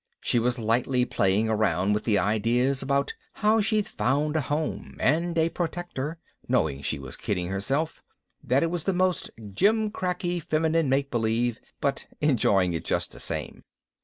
She was lightly playing around with ideas about how she'd found a home and a protector, knowing she was kidding herself, that it was the most gimcracky feminine make believe, but enjoying it just the same.